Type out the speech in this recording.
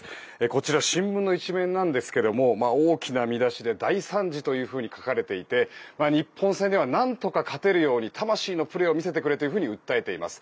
こちら、新聞の１面ですが大きな見出しで「大惨事」と書かれていて日本戦ではなんとか勝てるように魂のプレーを見せてくれるように訴えています。